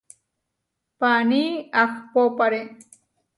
Paaní ahpópare.